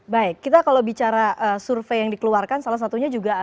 baik kita kalau bicara survei yang dikeluarkan salah satunya juga